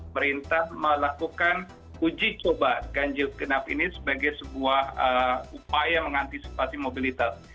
perintah melakukan uji coba ganjil genap ini sebagai sebuah upaya mengantisipasi mobilitas